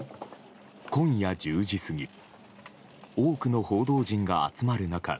今夜１０時過ぎ多くの報道陣が集まる中